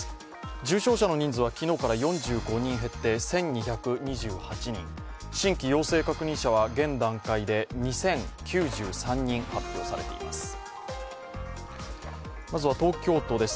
重症者の人数は昨日から４５人減って１２２８人新規陽性確認者は現段階で２０９３人発表されています。